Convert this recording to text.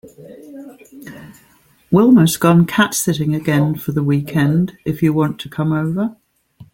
Wilma’s gone cat sitting again for the weekend if you want to come over.